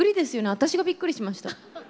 私がびっくりしました。